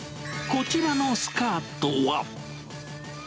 こちらのスカートは。